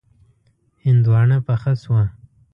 هندواڼه پخه شوه.